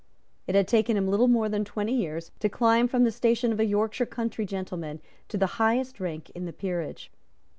It had taken him little more than twenty years to climb from the station of a Yorkshire country gentleman to the highest rank in the peerage.